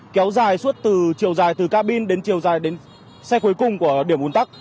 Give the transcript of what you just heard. kéo dài suốt từ chiều dài từ cabin đến chiều dài đến xe cuối cùng của điểm ủn tắc